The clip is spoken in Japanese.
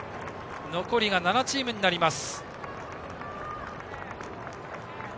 残りが７チームになります。